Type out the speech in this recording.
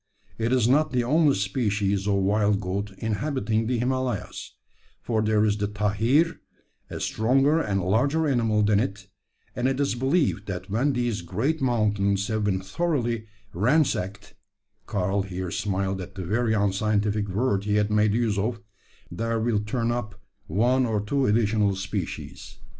It is not the only species of wild goat inhabiting the Himalayas; for there is the `tahir,' a stronger and larger animal than it; and it is believed that when these great mountains have been thoroughly ransacked [Karl here smiled at the very unscientific word he had made use of], there will turn up one or two additional species.